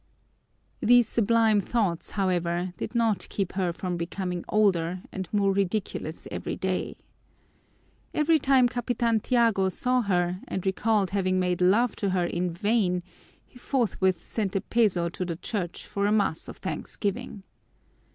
These sublime thoughts, however, did not keep her from becoming older and more ridiculous every day. Every time Capitan Tiago saw her and recalled having made love to her in vain he forthwith sent a peso to the church for a mass of thanksgiving.